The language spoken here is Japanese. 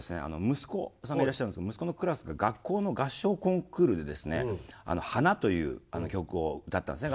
息子さんがいらっしゃるんですが息子のクラスが学校の合唱コンクールでですね「花」という曲を歌ったんですね。